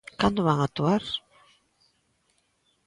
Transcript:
¿Cando van actuar?